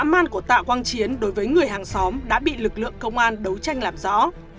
man của tạ quang chiến đối với người hàng xóm đã bị lực lượng công an đấu tranh làm rõ